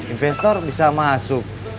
investor bisa masuk